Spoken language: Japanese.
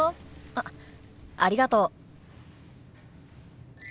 あっありがとう。